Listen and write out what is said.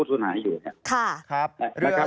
ที่หายอยู่นะครับ